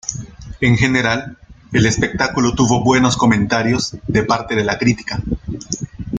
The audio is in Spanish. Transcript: En general, el espectáculo tuvo buenos comentarios de parte de la crítica.